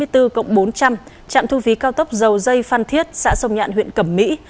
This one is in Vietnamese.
trạm thu phí cao tốc dầu dây phan thiết xã sông nhạn huyện cẩm mỹ